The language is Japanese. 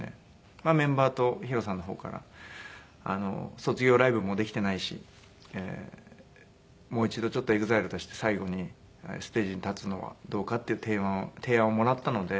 メンバーとＨＩＲＯさんの方から卒業ライブもできてないしもう一度ＥＸＩＬＥとして最後にステージに立つのはどうか？っていう提案をもらったので。